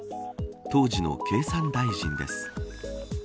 当時の経産大臣です。